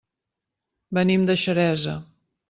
Venim de Xeresa.